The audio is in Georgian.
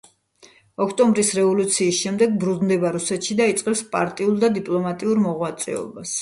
ოქტომბრის რევოლუციის შემდეგ ბრუნდება რუსეთში და იწყებს პარტიულ და დიპლომატიურ მოღვაწეობას.